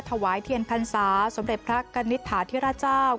ถวายเทียนพันศาสมเด็จพระกัณฑาธิราชาว